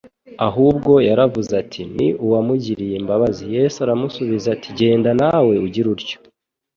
ahubwo yaravuze ati: "Ni uwamugiriye imbabazi." Yesu aramusubiza ati: «genda nawe ugire utyo. »